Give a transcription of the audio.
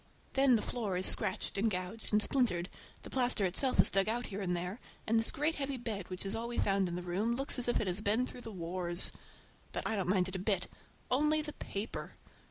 Then the floor is scratched and gouged and splintered, the plaster itself is dug out here and there, and this great heavy bed, which is all we found in the room, looks as if it had been through the wars. But I don't mind it a bit—only the paper.